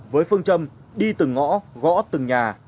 với phương châm đi từng ngõ gõ từng nhà